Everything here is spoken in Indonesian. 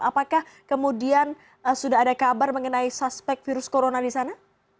apakah kemudian sudah ada kabar mengenai suspek virus corona di sana